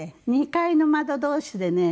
２階の窓同士でね